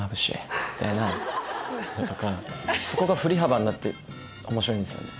そこが振り幅になって面白いんですよね。